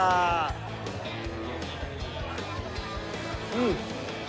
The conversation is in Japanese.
うん。